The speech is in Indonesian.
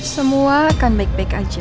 semua akan baik baik aja